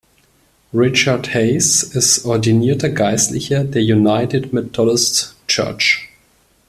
Richard Hays ist ordinierter Geistlicher der United Methodist Church.